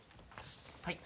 はい。